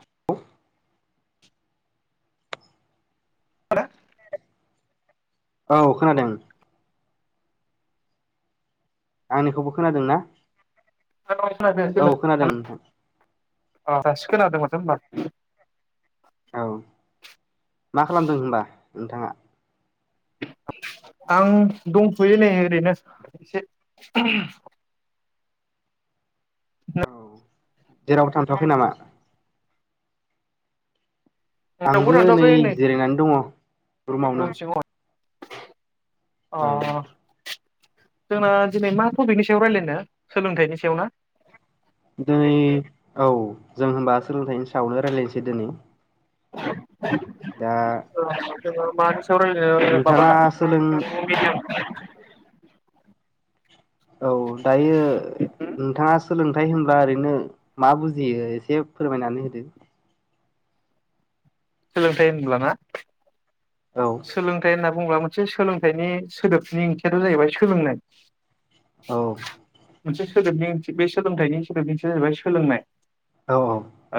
[unintelligible] [inaudible] [unintelligible] औ खोनादों। आंनिखौबो खोनादों ना? [unintelligible] अ औ खोनादों नोंथां दासो खोनादोंमोनाथो होनबा? औ मा खालामदों होनबा नोंथाङा? आं दंथ'यो नै ओरैनो एसे औ जेरावबो थांथ'वाखै नामा रावबो आंबो नै थांथ'वाखै जिरायनानै दङ। रुमावनो रुम सिङाव औ अ जोंना दिनै मा टपिकनि सायाव रायलायनो सोलोंथाइनि सायाव ना दिनै औ जों होनबा सोलोंथाइनि सायावनो रायज्लायनोसै दिनै [unintelligible] दा औ नोंथाङा [unintelligible] सोलों [unintelligible] [inaudible] औ दायो नोंथाङा सोलों थाइ होनब्ला ओरैनो मा बुजियो एसे फोरमायनानै होदो। सोलोंथाइ होनब्ला ना? औ सोलोंथाइ होनना बुङोब्ला मोनसे सोलोंथाइनि सोदोबनि ओंथियाथ' जाहैबाय सोलोंनाय। औ। मोनसे सोदोबनि ओंथि बे सोलोंथाइनि सोदोबनि ओंथिया जाहैबाय सोलोंनाय। औ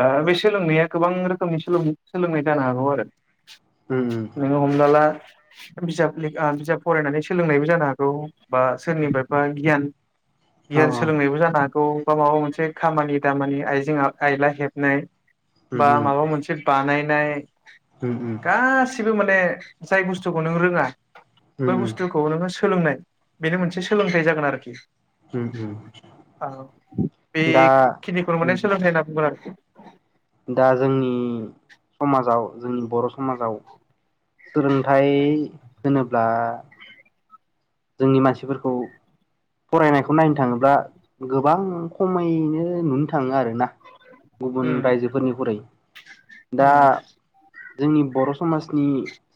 ओ बेसे सोलोंनाया गोबां रोखोमनि सोलों सोलोंनाय जानो हागौ आरो। उम उम। नोङो हमना ला बिजाबनि ओ बिजाब फरायनानै सोलोंनायबो जानो हागौ। बा सोरनिफायबा गियान औ गियान औ सोलोंनायबो जानो हा गौ बा माबा मोनसे खामानि दामानि आइजें आइला हेबनाय उम बा उम माबा मोनसे बानायनाय उम उम गासै सैबो माने जाय बुस्थुखौ नों रोङा बै उम बुुस्थुखौ नोङो सो सोलोंनाय बेनो मोनसे सोलोंथाइ जागोन आरोखि। उम उम औ दा बेखिनिखौनो माने सोलोंथाइ होनना बुंगोन आरोखि। दा जोंनि समाजाव जोंनि बर' समाजाव सोलोंथाइ होनोब्ला जोंनि मानसिफोरखौ फरायनायखौ नायनो थाङोब्ला गोबां खमैनो नुनो थाङो आरोना। गुबुन उम रायजोफोरनिख्रुय दा जोंनि बर' समाजनि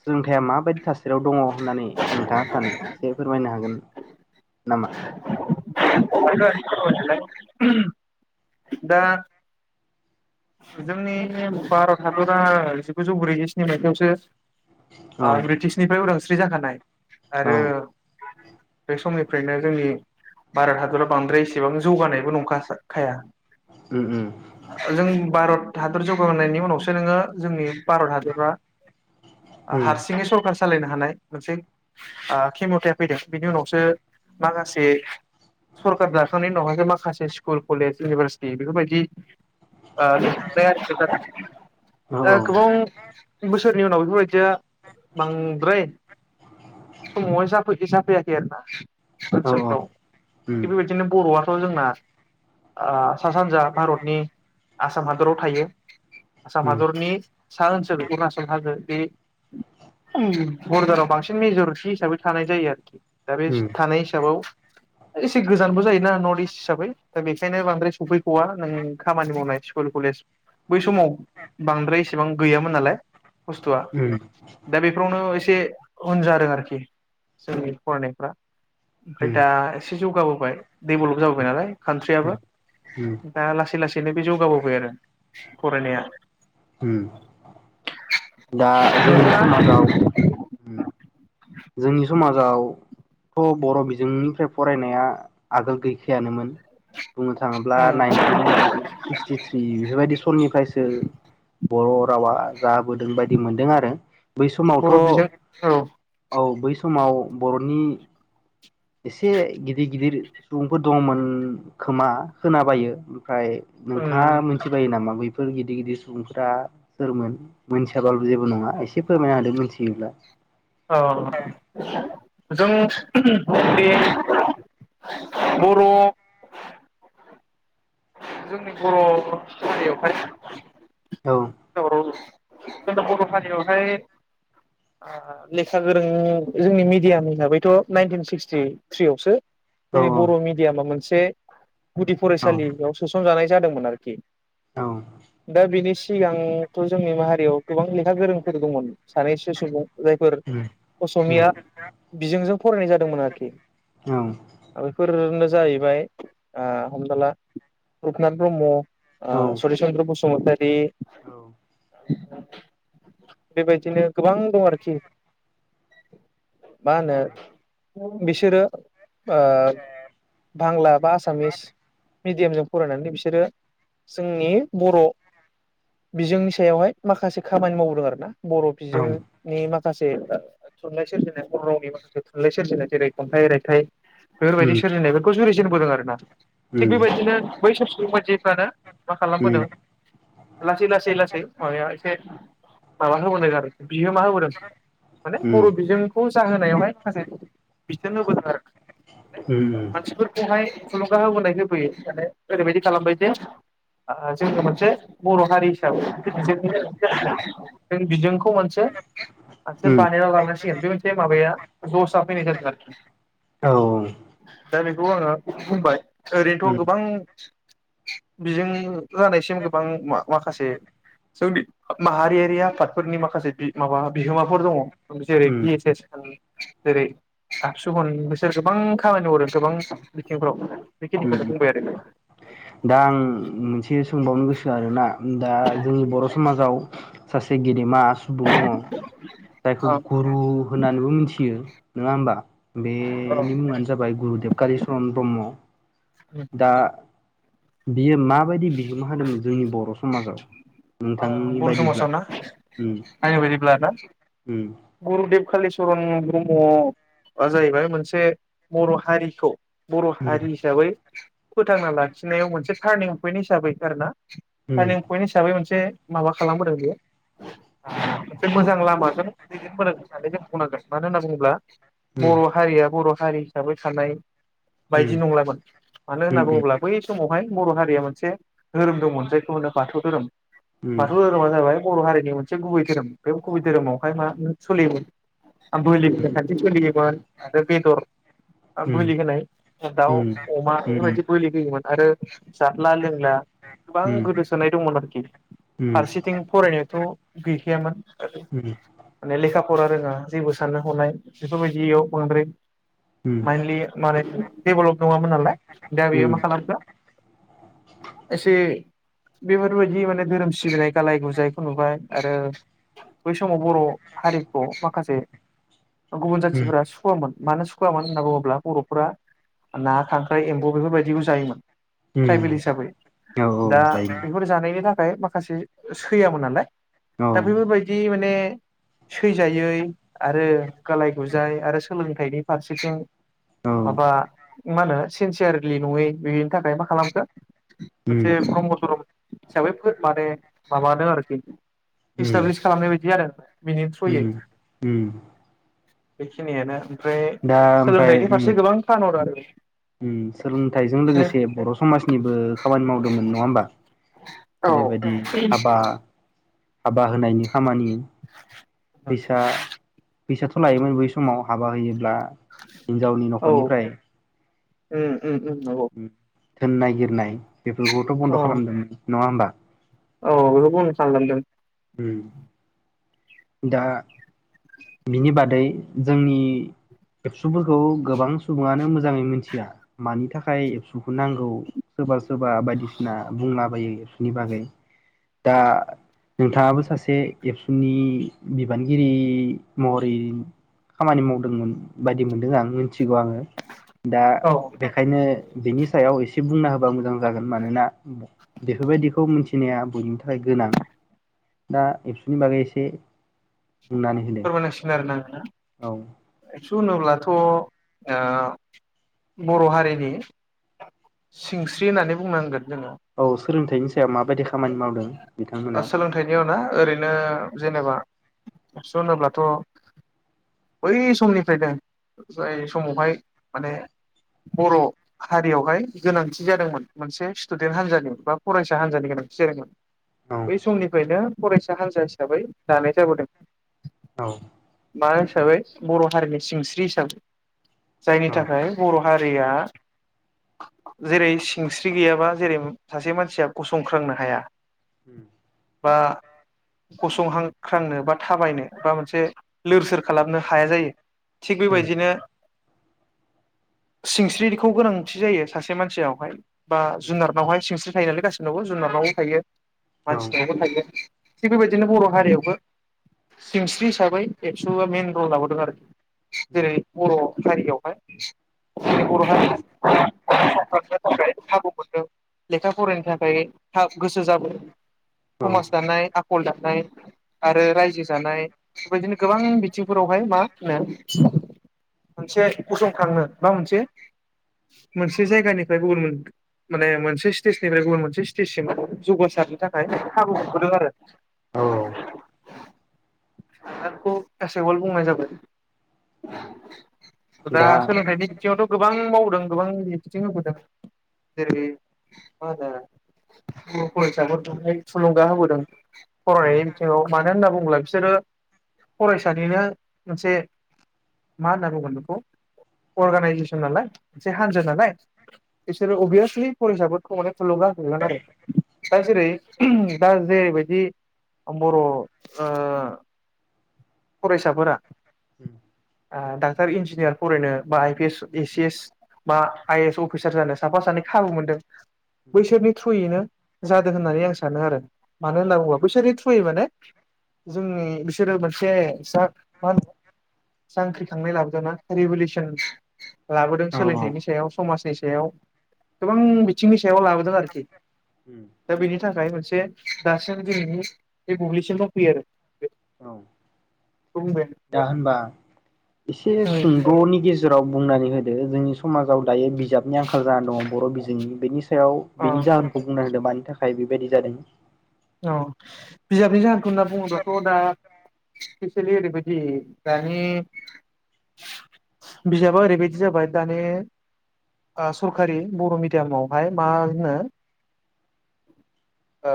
सोलोंथाइया माबायदि थास सारियाव दङ होननानै नोंथाङा सानो? फोरमायनो हागोन नामा? [unintelligible] दा जोंनि नेम भारत हादरा जि गुजौ ब्रैजिस्नि मायथाइयावसो ओ औ ब्रिटिसनिफ्राय उदांस्रि जाखानाय औ आरो बे समनिफ्रायनो जोंनि भारत हादराव बांद्राय इसेबांस जौगानायबो नंखासा खाया। उम उम जों भारत हादर जौगाहोनायनि उनावसो नोङो जोंनि भारत हादरा उम हारसिङै सरकारस सालायनो हानाय मोनसे ओ खेमथाया फैदों बेनि उनावसो माखासे सरखार दाखांनायनि उनावहासो माखासे स्कुल कलेज इउनिभारसिटि बेफोरबायदि [unintelligible] ओ गोबों औ औ बोस सोरनि उनाव बेफोरबायदिया बांद्राय समावहाय जाफैदो जाफैयाखै आरो ना। औ औ ओनसोलफ्राव उम थिग बेबायदिनो बर'आथ' जोंना ओ सा सानजा भारतनि आसाम हादराव थायो। आसाम उम हादरनि सा ओनसोल अरुणाचल हाजो बे उम बरडाराव बांसिन मेजरिटि हिसाबै थानाय जायो आरोखि। दा बेस उम थानाय हिसाबाव एसे गोजानबो जायोना नर्थ इस्ट हिसाबै दा बेखायनो बांद्राय सफैख'वा नों खामानि मावनाय स्कुल कलेज बै समाव बांद्राय इसेबां गैयामोन नालाय खस्थआ उम दा बेफोरावनो एसे उन जादों आरोखि जोंनि फरायनायफ्रा ओमफ्राय उम दा एसे जौगाबोबाय डेभलप जाबोबाय नालाय कान्ट्रियाबो उम दा लासै लासैनो बे जौ गाबावबाय आरो फरायनाया उम दा जोंनि समाजाव जोंनि समाजाव थ' बर' बिजोंनिफ्राय फरायनाया आगोल गैखायानोमोन। बुंनो थाङोब्ला नोंथाङा नाइनटिन सिक्सटिथ्रि बेफोरबायदि सननिफ्रायसो बर' रावा जाबोदों बायदि मोनदों आरो बै बर' समावथ' बिजों औ औ बै समाव बर'नि एसे गिदिर गिदिर सुबुंफोर दंमोन खोमा खोना बायो। ओमफाय नोंथाङा मिथिबायो नामा बै फोर गिदिर गिदिर सुबुंफोरा सोरमोन मोनथिया [unintelligible] जेबो नङा एसे फोरमायना होदो मोनथि जेब्ला औ। जों बे बर' जोंनि बर' हारियावहाय औ दावराव जुब। जों बर' हारियावहाय ओ लेखा गोरों जोंनि मिडियाम हिसाबैथ' नाइनटिन सिक्सटि थ्रिआवसो औ उम औ उम जोंनि बर' मिडियामा मोन से गुदि फरायसालि। याव सोसनजानाय जादोंमोन आरोखि दा बेनि सिगांथ' जोंनि माहारियाव गोबां लेखा गोरोंफोर दंमोन सानैसो सुबुं जायफोर असमिया बिजोंजों फरायनाय जादोंमोन आरोखि बेफोरनो जाहैबाय आ हमनाला रुपनाथ ब्रह्म ओ सरिचन्द्र बसुमतारी बेबायदिनो गोबां दं आरोखि मा होनो बिसोरो ओ बांला बा आसामिस। मिडियामजों फरायनानै बिसोरो जोंनि बर' बिजोंनि सायावहाय माखासे खामानि मावबोदों आरोना बर' औ बिजोंनि माखासे थुनलाइ सोरजिनाय बर' रावनि माखासे थुनलाइ सोरजिनाय जेरै खन्थाइ-रायथाइ। बेफोरबायदि सोरोलिनाय बेफोरखौ जुरि [unintelligible] आरो ना। थिग बे बाइदिनो बैसोर सुबुं बायदि फ्रानो मा खालामबोदों लासै-लासै-लासै माबाया एसे माबा होबोनाय जादों बियो मा होबोदों माने बर' बिजोंखौ जाहोनायावहाय माखासे बिथोन होबोदों आरो माने मानसिफोरखौहाय थुलुंगा होबोनायनो फैयो माने ओरैबायदि खालामबाय जे आ जोंङो मोनसे बर' हारि हिसाबै [unintelligible] जों बिजोंखौ मोनसे-मोनसे बानायना लांनांसिगोन बे मोनसे माबाया जसा फैनाय जादों आरोखि दा बेखौ आङो बुंबाय। ओरैनोथ' उम गोबां बिजों जानायसिम गोबां मा-माखासे जोंनि माहारियारि आफादफोरनि माखासे बि माबा बिहोमाफोर दङ जेरै- उम बि एस एस होन जेरै-आबसु होन बिसोर गोबां खामानि हरो गोबां बिथिंफोराव। बेखिनिखौनो उम बुंबाय आरो। दा आं मोनसे सो [unintelligible] बावनो गोसो आरोना उम दा जोंनि बर' समाजाव। सासे गेदेमा सु बुं दङ जायखौ औ गुरु होननानैबो मिथियो। नोङा होमबा। बेनि मुङानो जाबाय गुरुदेब कालिचरन ब्रह्म औ दा। बियो माबायदि बिहोमा होदोंमोन जोंनि बर' समाजाव। ओ नोंथांनि बर' बायदिब्ला समाजाव ना उम नायनो बायदिब्ला ना उम गुरुदेब कालिच चरन ब्रह्म जाहैबाय मोनसे बर' हारिखौ बर' औ हारि हिसाबै। फोथांना लाखिनायाव मोनसे टार्निं पइन्ट हिसाबै आरो ना। टार्निं जायोमोन पइन्ट हिसाबै मोनसे। माबा खालामबोदों बेयो। मोजां लामाजों दैदेननोबोदोंमोन। सानैजों बुंनांगोन मानो होनना बुङोब्ला। बर' हारिया बर हारि। हिसाबै थानाय। बायदि नंलामोन मानो होनना बुङोब्ला बै समाव। [unintelligible] बर' हारिया मोनसे धोरोम दंमोन जायखौ होनो बाथौ धोरोम। बाथौ धोरोमा जाबाय बर' हारि बे मोनसे गुबै धोरोम बे गुबै धोरोमावहाय मा सोलियोमोन बोलि होनाय खान्थि सोलियोमोन आरो बेदर बोलि होनाय दाउ, अमा बेफोरबायदि बोलि होयोमोन। आरो जादला लोंला गोबां गोदोसोनाय दंमोन आरोखि। फारसेथिं फरायनायावथ गैखायामोन। माने लेखा फरा रोङा जेबो साननो हनाय बेफोर बायदियाव बांद्राय माइन्दलि माने डेभलप नंङामोन नालाय दा औ बेयो मा खालामखो एसे बेफोर बायदि माने धोरोम सिबिनाय गालाय गुजायखौ नुबाय आरो बै समाव बर' हारिखौ माखासे ओ गुबुन जाथिफोरा सुखुवामोन। मानो सुखुवामोन होन्ना बुङोब्ला बर'फोरा ना, खांख्राइ, एम्बु बेफोर बायदिखौ जायोमोन। ट्राइबेल हिसाबै। दा बेफोर जानायनि था ओमफ्राय माखासे सैयामोन नालाय दा बेफोर बायदि माने सैजायै आरो गालाय गुजाय आरो सोलोंथाइनि फारसेथिं माबा मा होनो सिनसियारलि नङै बेनि थाखाय मा खालामखो मोनसे ब्रह्म धरम लांदां हिसाबै फोर माने माबादों आरोखि। इस्टाब्लिस खालामनाय बायदि आरो बेनि थ्रुयै। बेखिनियानो ओमफ्राय दा ओमफ्राय सोलोंथाइनि उम फारसे गोबां थानहरो आरो उम सोलोंथाइजों लोगोसे बर' समाजनिबो खामानि मावदोंमोन नङा होमबा। औ जेरै बायदि हाबा हाबा होनायनि खामानि लांदां फैसा फैसाथ' लायोमोन बै समाव हाबा होयोब्ला हिनजावनि औ न'खरनिफ्राय उम उम उम नंगौ। थोन नागिरनाय बेफोरखौथ बन्द अ खालामदों नङा होमबा? औ बेखौ बुंनो थालांदों उम दा बिनि बादै जोंनि एबसुफोरखौ गोबां सुबुङानो मोजाङै मिथिया मानि थाखाय एबसुखौ नांगौ सोरबा सोर सोरबा बायदिसिना बुंलाबायो नि बागै दा नोंथाङाबो सासे एबसुनि बिबानगिरि महरै खामानि मावदोंमोन बायदि मोनदों आं मिथि गौ आङो दा औ बेखायनो बिनि सायाव एसे बुंना होबा मोजां जागोन मानोना बेफोरबायदिखौ मिथिनाया बयनि थाखाय गोनां दा एबसुनि बागै एसे बुंनानै होदो। औ [unintelligible] सु होनोब्लाथ' ओ बर' हारिनि सिंस्रि होननानै बुंनांगोन। जोङो लोंथाइनि सायाव माबायदि खामानि मावदों? ओ बिथांमोना सोलोंथाइनियाव ना ओरैनो जेनेबा एबासु होनोब्लाथ' बै समनिफ्रायनो जाय समावहाय माने बर' हारियावहाय गोनांथि जादोंमोन मोनसे स्टुडेन्ट हान्जानि बा फरायसा हान्जानि गोनांथि जादोंमोन औ बै समनिफ्रायनो फरायसा हान्जा हिसाबै दानाय जाबोदों। औ मा हिसाबै बर' हारिनि सिंस्रि हिसाबै जायनि औ थाखाय बर' हारि रिया जेरै सिंस्रि गैयाबा जेरै सासे मानसिया गसंख्रांनो हाया उम बा गसंहां ख्रांनो बा थाबायनो बा मोनसे लोर सोर खालामनो हाया जायो। थिग उम बेबायदिनो सिंस्रिखौ गोनांथि जायो सासे मानसियावहाय बा जुनारनावहाय सिंस्रि थायो नालाय गासिबनावनो जुनारनावबो थायो औ मानसि नावबो थायो थिग बेबायदिनो बर' हारियावबो सिंस्रि हिसाबै एबसुआ मेन रल लाबोदों आरोखि जेरै बर' हारियावहाय [inaudible] खाबु मोनदों लेखा फरायनो थाखाय गोसो जाबो उम औ समाज दानाय आखल दानाय आरो रायजो जानाय बेबायदिनो गोबां बिथिंफोरावहाय मा होनो मोनसे गसंखांनो मा मोनसे मोनसे जायगानिफ्राय गुबुन माने मोनसे स्टेजनिफ्राय गुबुन मोनसे स्टेजसिम जौगासार थाखाय खाबु मोनबोदों आरो औ [unintelligible] बुंनाय जाबाय दा सोलोंथाइनि बिथिङावथ' गोबां माव जों गोबां बिदिनथि होबोदों जेरै मा होनो बर' फरायसाफोर बेयावहाय थुलुंगा होबोदों। उम फरायनाय बिथिङाव मानो होनना बुंङोब्ला बि सोरो फरायसानिनो मोनसे मा होनना बुंगोन बेखौ अर्गानाइजेसन नालाय मोनसे हानजा नालाय बिसोरो अभियासलि फरायसाफोरखौ माने थुलुंगा [unintelligible] आरो दा जेरै नोंथाङा जेरै बायदि। बर' ओ फरायसाफोरा उम [unintelligible] र इन्जिनियार फरायनो बा I P S A C S बा आइ ए एस अफिसार जानो साफा सानै खाबु मोनदों बैसोरनि थ्रुयैनो जादों होननानै आं सा मानो होनना बुङोबा बिसोरनि थ्रुयै माने जोंनि बिसोरो मोनसे मा होनो जांख्रिखांनाय लाबोदोंना रिभुलसन लाबोदों औ सोलोंथाइनि सायाव समाजनि सायाव गोबां बिथिंनि सायाव लाबोदों आरोखि उम। दा बेनि थाखाय मोनसे दासिम जोंनि बे बुब्लिसिम दं फैयो आरो। औ बेखौ बुंबाय दा होनबा एसे सुंद'नि गेजे राव बुंनानै होदो जोंनि समाजाव दायो बिजाबनि आंखाल जानानै दङ बर' बिजोंनि बेनि सायाव बेनि आं जाहोनखौ बुंना होदों मानि थाखाय थाखाय बेबायदि जादों- औ बिजाबनि जाहोनखौ होनना बुङोब्लााथ' दा स्पेसिलि ओरैबायदि दानि बिजाबा ओरैबायदि जाबाय दानि ओ सरखारि बर' मिडियामावहाय मा होनो ओ।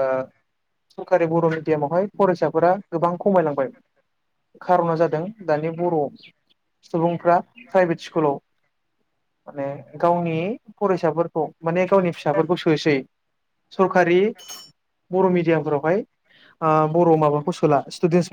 सरखारि बर' मिडियामावहाय फरायसाफोरा गोबां खमायलांबाय खार'ना जादों दानि बर' सुबुंफ्रा प्राइभेट स्कुलाव माने गावनि फरायसाफोरखौ माने गावनि फिसाफोरखौ सोसै सरखारि बर' मिडियामफोरावहाय बर' माबाखौ सोला स्टुडेन्स फोर